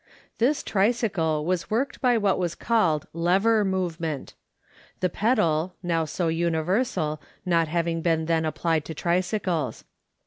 This tricycle was worked by what was called lever movement ; the pedal, now so universal, not having been then applied to tricycles.